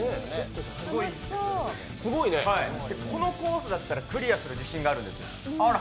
このコースだったらクリアする自信があるんです。